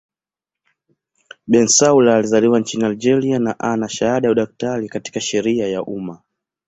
Bensaoula alizaliwa nchini Algeria na ana shahada ya udaktari katika sheria ya umma.